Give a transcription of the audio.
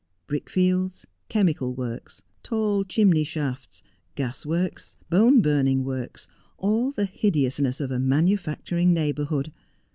Brickfields, chemical works, tall chimney shafts, gas works, bone burning works, all the hideousness of a manufacturing neighbourhood.